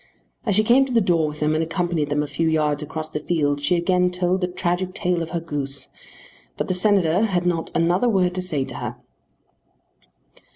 As she came to the door with them and accompanied them a few yards across the field she again told the tragic tale of her goose; but the Senator had not another word to say to her.